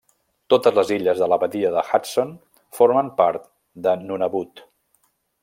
Totes les illes de la badia de Hudson formen part de Nunavut.